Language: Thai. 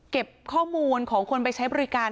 ข้อมูลของคนไปใช้บริการ